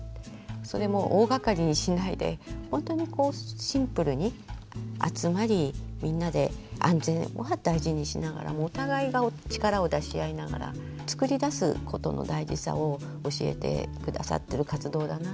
それも大がかりにしないで本当にこうシンプルに集まりみんなで安全は大事にしながらもお互いが力を出し合いながらつくりだすことの大事さを教えて下さってる活動だなと思います。